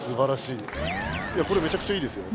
いやこれめちゃくちゃいいですよ。